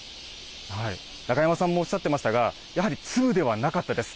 中山さんもおっしゃってましたが、やはり粒ではなかったです。